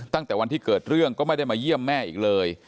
ตั้งแต่วันที่เกิดเรื่องก็ไม่ได้มาเยี่ยมแม่อีกเลย